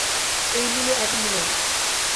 এই নীলু আগের নীলু নয়।